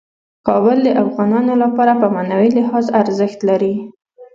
کابل د افغانانو لپاره په معنوي لحاظ ارزښت لري.